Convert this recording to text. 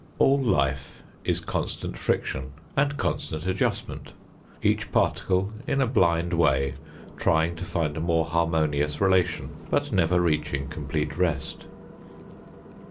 All life is constant friction and constant adjustment, each particle in a blind way trying to find a more harmonious relation, but never reaching complete rest.